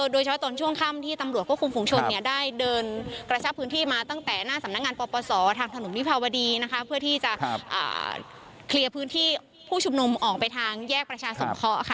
โดยเฉพาะตอนช่วงค่ำที่ตำรวจควบคุมฝุงชนได้เดินกระชับพื้นที่มาตั้งแต่หน้าสำนักงานปปศทางถนนวิภาวดีนะคะเพื่อที่จะเคลียร์พื้นที่ผู้ชุมนุมออกไปทางแยกประชาสงเคราะห์ค่ะ